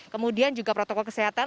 kemudian juga protokol kesehatan